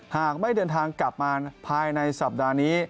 หากไม่เดินทางกลับมาภายในสัปดาห์นี้